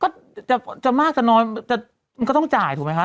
ก็จะมากจะน้อยแต่มันก็ต้องจ่ายถูกไหมคะ